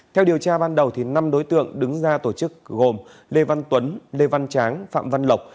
theo điều tra ban đầu năm đối tượng đứng ra tổ chức gồm lê văn tuấn lê văn tráng phạm văn lộc